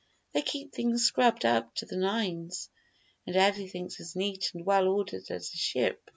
They keep things scrubbed up to the nines, and everything's as neat and well ordered as a ship.